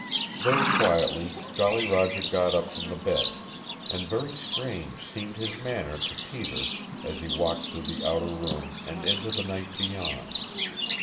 Very quietly Jolly Roger got up from the bed and very strange seemed his manner to Peter as he walked through the outer room and into the night beyond.